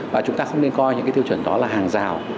và chúng ta không nên coi những cái tiêu chuẩn đó là hàng rào